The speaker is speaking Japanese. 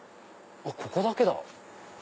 ここだけだ。